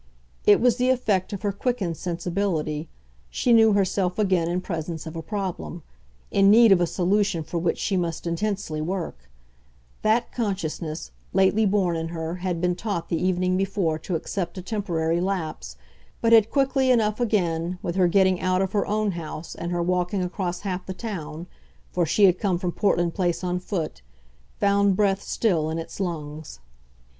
It was the effect of her quickened sensibility; she knew herself again in presence of a problem, in need of a solution for which she must intensely work: that consciousness, lately born in her, had been taught the evening before to accept a temporary lapse, but had quickly enough again, with her getting out of her own house and her walking across half the town for she had come from Portland Place on foot found breath still in its lungs.